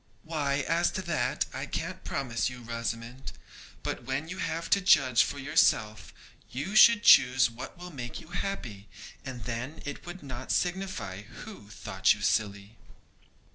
'Why, as to that, I can't promise you, Rosamond; but, when you have to judge for yourself, you should choose what will make you happy, and then it would not signify who thought you silly.'